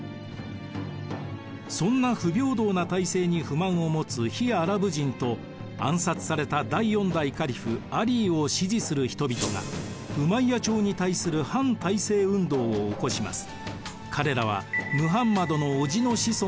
そんな不平等な体制に不満を持つ非アラブ人と暗殺された第４代カリフアリーを支持する人々がウマイヤ朝に対する反体制運動を起こします。